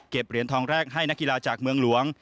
เหรียญทองแรกให้นักกีฬาจากเมืองหลวง